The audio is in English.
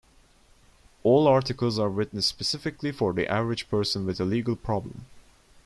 All articles are written specifically for the average person with a legal problem.